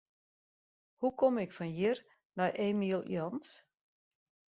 Hoe kom ik fan hjir nei Emiel Jans?